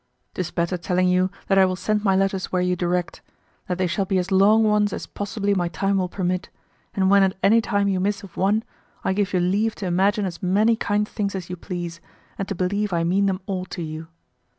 'Tis better telling you that I will send my letters where you direct, that they shall be as long ones as possibly my time will permit, and when at any time you miss of one, I give you leave to imagine as many kind things as you please, and to believe I mean them all to you.